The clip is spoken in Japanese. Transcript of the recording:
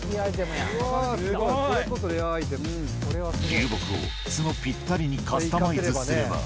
流木を角ぴったりにカスタマイズすれば。